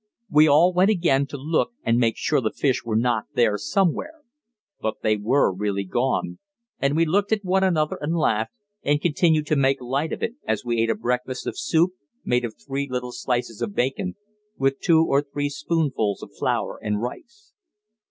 We all went again to look and make sure the fish were not there somewhere; but they were really gone, and we looked at one another and laughed, and continued to make light of it as we ate a breakfast of soup made of three little slices of bacon, with two or three spoonfuls of flour and rice.